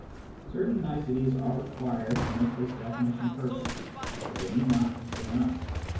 Certain niceties are required to make this definition perfect, but they need not concern us.